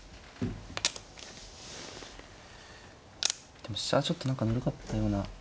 でも飛車はちょっと何かぬるかったような。